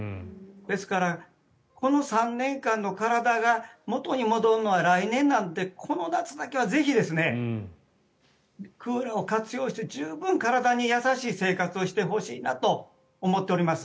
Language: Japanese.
ですから、この３年間の体が元に戻るのは来年なのでこの夏はぜひクーラーを活用してぜひ体に優しい環境にしていただければと思います。